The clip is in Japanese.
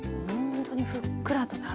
ほんとにふっくらと。